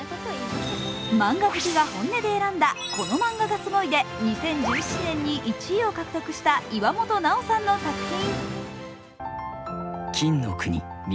漫画好きが本音で選んだ、「このマンガがすごい！」で２０１７年に１位を獲得した岩本ナオさんの作品。